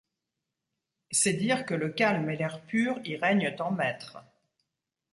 C'est dire que le calme et l'air pur y règnent en maître.